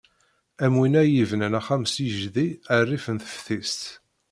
Am winna i yebnan axxam s yijdi rrif n teftis.